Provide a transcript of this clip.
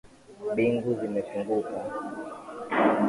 Mbingu zimefunguka